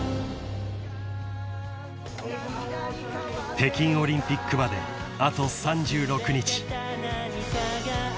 ［北京オリンピックまであと３６日］